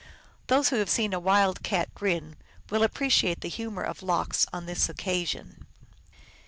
Those who have seen a wild cat grin will appreciate the humor of Lox on this occasion.